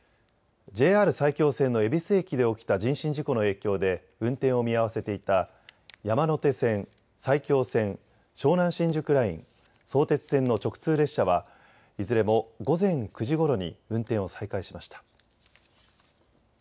ＪＲ埼京線の恵比寿駅で起きた人身事故の影響で運転を見合わせていた山手線、埼京線、湘南新宿ライン、相鉄線の直通列車はいずれも午前９時ごろに運転を再開しました。